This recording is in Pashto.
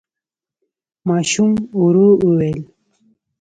ماشوم ورو وويل: